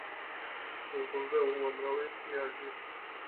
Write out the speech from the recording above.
კუნძულზე უამრავი პლაჟია.